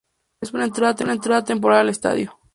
Es una entrada temporal al estadio.